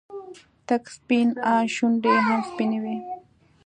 تک سپين ان شونډې يې هم سپينې وې.